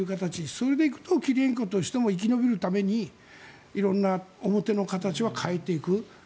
それでいくとキリエンコとしても生き延びるためにいろんな表の形は変えていく。